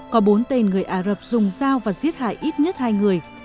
có bốn tên người ả rập dùng dao và giết hại ít nhất hai người